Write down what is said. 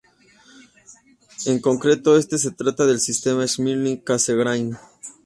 En concreto este se trata del sistema Schmidt-Cassegrain.